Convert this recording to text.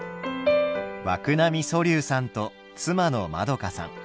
涌波蘇嶐さんと妻のまどかさん。